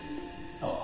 ああ。